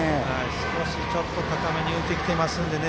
少し、ちょっと高めに浮いてきてますんでね。